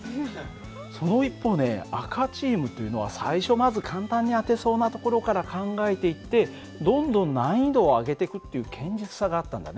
その一方ね赤チームというのは最初まず簡単に当てそうなところから考えていってどんどん難易度を上げてくっていう堅実さがあったんだね。